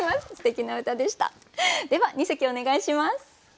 では二席をお願いします。